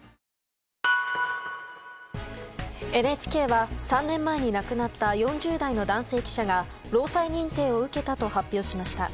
ＮＨＫは３年前に亡くなった４０代の男性記者が労災認定を受けたと発表しました。